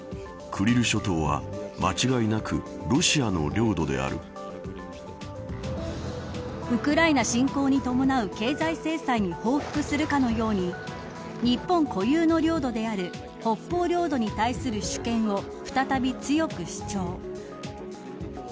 一方で、その影響は日本にも。ウクライナ侵攻に伴う経済制裁に報復するかのように日本固有の領土である北方領土に対する主権を再び強く主張。